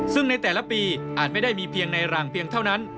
ซึ่งในแต่ละปีอาจไม่ได้มีเพียงในรังเพียงเท่านั้น